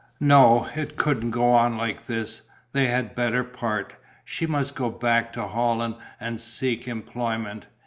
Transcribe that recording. No, it couldn't go on like this: they had better part; she must go back to Holland and seek employment.